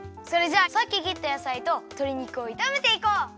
それじゃあさっき切った野菜ととり肉をいためていこう！